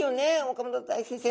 岡本大先生。